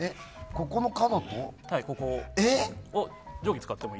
ここの角。